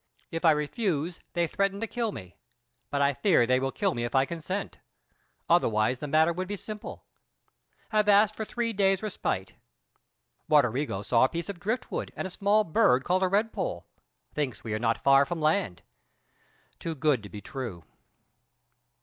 If I refuse they threaten to kill me; but I fear they will kill me if I consent. Otherwise the matter would be simple. Have asked for three days' respite. Roderigo saw a piece of driftwood and a small bird called a red poll. Thinks we are not far from land. Too good to be true.